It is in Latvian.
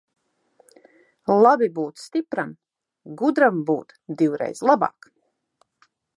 Labi būt stipram, gudram būt divreiz labāk.